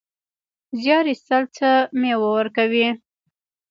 زیار ایستل څه مېوه ورکوي؟